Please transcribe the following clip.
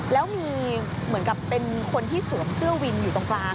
แล้วมีเหมือนกับเป็นคนที่สวมเสื้อวินอยู่ตรงกลาง